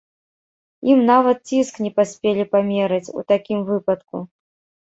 Ім нават ціск не паспелі памераць ў такім выпадку.